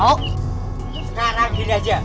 sekarang gini aja